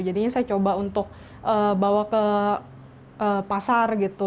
jadinya saya coba untuk bawa ke pasar gitu